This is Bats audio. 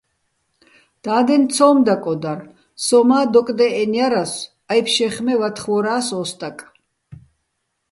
და́დენ ცო́მ დაკოდარ, სო მა́ დოკდე́ჸენო̆ ჲარასო̆, აჲფშეხ მე ვათხვო́რას ო სტაკ.